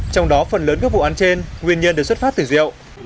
trong đó phần lớn các vụ án trên nguyên nhân được xuất phát từ rượu